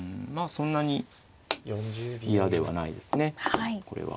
そんなに嫌ではないですねこれは。